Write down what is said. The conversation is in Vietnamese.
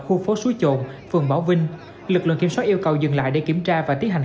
có xuối trộn phường bảo vinh lực lượng kiểm soát yêu cầu dừng lại để kiểm tra và tiến hành